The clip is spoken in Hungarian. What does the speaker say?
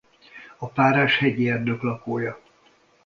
A párás hegyi erdők lakója.